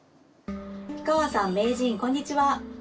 氷川さん名人こんにちは。